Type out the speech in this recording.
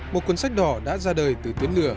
một cuốn sách đỏ đã ra đời từ tiếng lửa